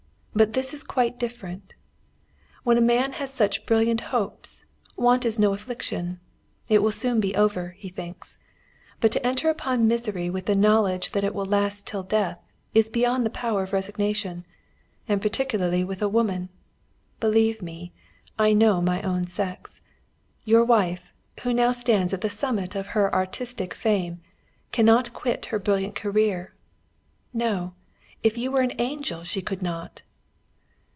But this is quite different. When a man has such brilliant hopes, want is no affliction. It will be over soon, he thinks. But to enter upon misery with the knowledge that it will last till death, is beyond the power of resignation. And particularly with a woman! Believe me, I know my own sex. Your wife, who now stands at the summit of her artistic fame, cannot quit her brilliant career. No! If you were an angel she could not."